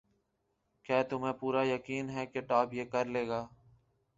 کیا تمہیں پورا یقین ہے کہ ٹام یہ کر لے گا؟